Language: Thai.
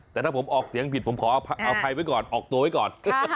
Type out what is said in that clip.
แต่ถ้าผมออกเสียงผิดผมขอเอาใครไว้ก่อนออกตัวไว้ก่อน